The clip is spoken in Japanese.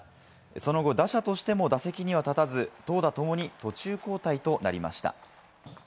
その後、打者としても打席には立たず、投打ともに途中交代となりました。